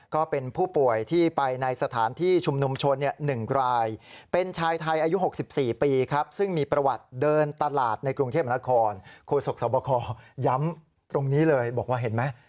โครสกสวบคลย้ำตรงนี้เลยบอกว่าเห็นไหม